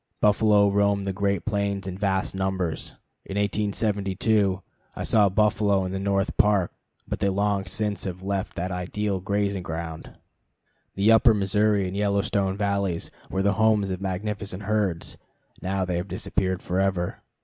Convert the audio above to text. Buffalo roamed the great plains in vast numbers. In 1872 I saw buffalo in the North Park, but they long since left that ideal grazing ground. The Upper Missouri and Yellowstone valleys were the homes of magnificent herds; now they have disappeared forever.